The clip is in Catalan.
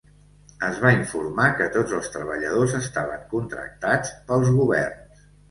Es va informar que tots els treballadors estaven contractats pels governs.